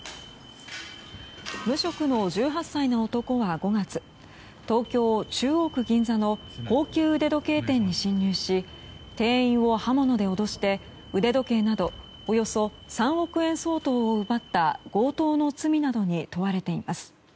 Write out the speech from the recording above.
無職の１８歳の男は５月、東京・中央区銀座の高級腕時計店に侵入し店員を刃物で脅して腕時計などおよそ３億円相当を奪った強盗の罪などに問われています。